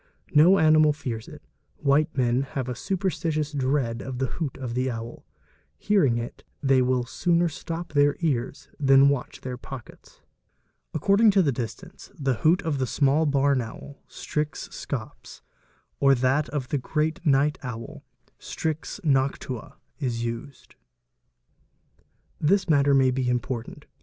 No animal fears it, white men have a superstitious dread of the hoot of the owl; hearing it they will sooner stop their ears than watch their pockets. According to the distance, the hoot of the small barn owl (Striz Scops) or that of the great night owl (Striz Noctua) is used (see Fug. 35). : NO ER) Ah lh 1) RL! OE pee 6 eet OY DP RIE This matter may be important.